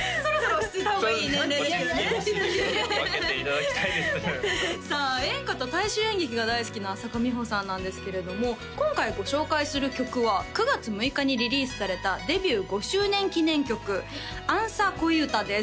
落ち着きほしいですよね分けていただきたいですさあ演歌と大衆演劇が大好きな朝花美穂さんなんですけれども今回ご紹介する曲は９月６日にリリースされたデビュー５周年記念曲「兄さ恋唄」です